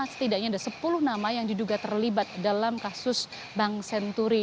setidaknya ada sepuluh nama yang diduga terlibat dalam kasus bank senturi